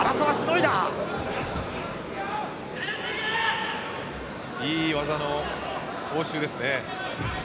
いい技の応酬ですね。